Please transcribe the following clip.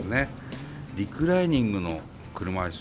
リクライニングの車椅子。